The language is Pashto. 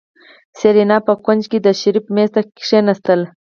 سېرېنا په کونج کې د شريف مېز ته کېناستله.